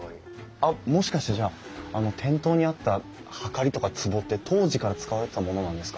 あっもしかしてじゃあ店頭にあったはかりとかつぼって当時から使われてたものなんですか？